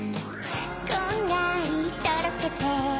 こんがりとろけて